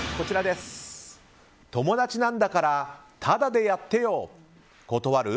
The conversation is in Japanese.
友達なんだからタダでやってよ断る？